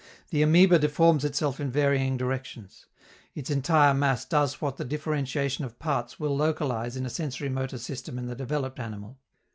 The amoeba deforms itself in varying directions; its entire mass does what the differentiation of parts will localize in a sensori motor system in the developed animal.